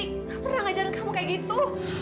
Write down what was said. tidak pernah ngajarin kamu kayak gitu